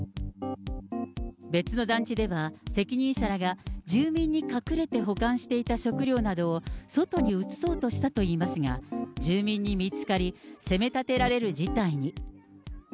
別の団地では、責任者らが住民に隠れて保管していた食料などを、外に移そうとしたといいますが、住民に見つかり、責めたてられる事態に。